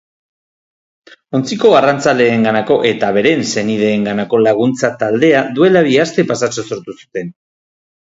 Ontziko arrantzaleenganako eta beren senideenganako laguntza taldea duela bi aste pasatxo sortu zuten.